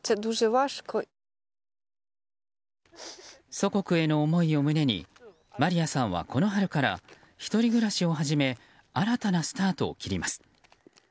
祖国への思いを胸にマリヤさんはこの春から１人暮らしを始め新たなスタートを切ります。